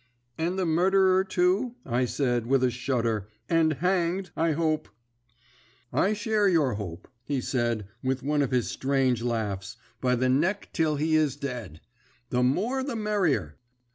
"'And the murderer, too,' I said, with a shudder, 'and hanged, I hope!' "'I share your hope,' he said, with one of his strange laughs,' by the neck till he is dead. The more the merrier.